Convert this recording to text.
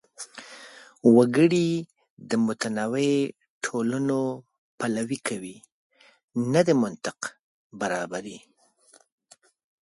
وګړي د متنوع ټولنو پلوي کوي، نه د مطلق برابرۍ.